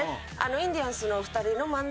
インディアンスのお二人の漫才